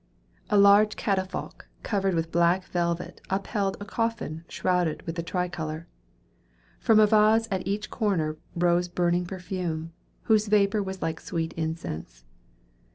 A large catafalque covered with black velvet upheld a coffin shrouded with the tricolor. From a vase at each corner rose burning perfume, whose vapor was like sweet incense.